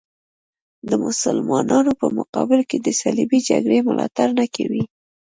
د مسلمانانو په مقابل کې د صلیبي جګړې ملاتړ نه کوي.